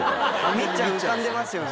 光ちゃん浮かんでますよね。